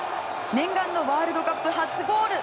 念願のワールドカップ初ゴール。